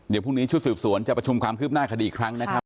เดี๋ยวพรุ่งนี้ชุดสืบสวนจะประชุมความคืบหน้าคดีอีกครั้งนะครับ